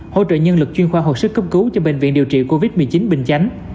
hỗ trợ nhân lực chuyên khoa học sức cấp cứu cho bệnh viện điều trị covid một mươi chín bình chánh